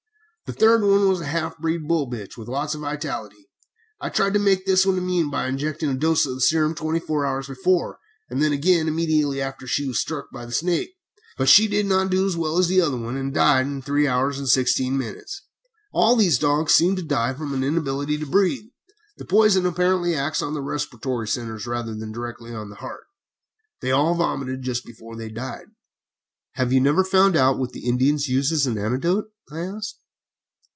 "The third one was a half breed bull bitch with lots of vitality. I tried to make this one immune by injecting a dose of the serum twenty four hours before, and again immediately after she was struck by the snake, but she did not do as well as the other one, and died in three hours and sixteen minutes. All these dogs seemed to die from inability to breathe. The poison apparently acts on the respiratory centres rather than directly on the heart. They all vomited just before they died." "Have you never found out what the Indians use as an antidote?" I asked.